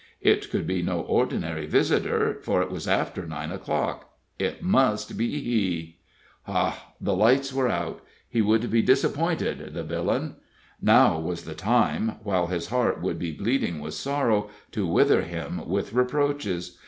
It could be no ordinary visitor, for it was after nine o'clock it must be he. Ha! the lights were out! He would be disappointed, the villain! Now was the time, while his heart would be bleeding with sorrow, to wither him with reproaches.